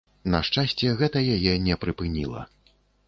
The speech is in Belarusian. На шчасце, гэта яе не прыпыніла.